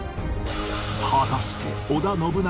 果たして織田信長